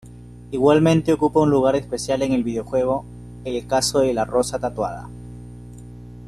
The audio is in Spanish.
Igualmente ocupa un lugar especial en el videojuego "El caso de la rosa tatuada".